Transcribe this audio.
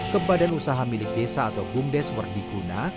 ke badan usaha milik desa atau bumdeswer diguna